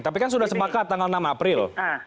tapi kan sudah sepakat tanggal enam april